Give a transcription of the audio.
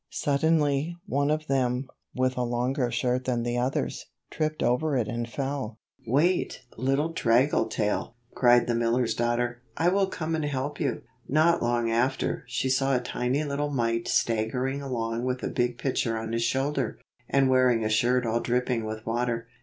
Suddenly, one of them, with a longer shirt than the others, tripped over it and fell. "Wait, little draggle tail," cried the miller's daughter. "I will come and help you." Not long after, she saw a tiny little mite stag gering along with a big pitcher on his shoulder, and wearing a shirt all dripping with water.